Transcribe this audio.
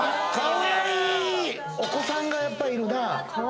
お子さんがやっぱりいるな。